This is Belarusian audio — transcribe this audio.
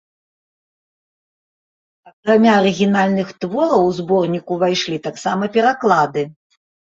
Акрамя арыгінальных твораў у зборнік увайшлі таксама пераклады.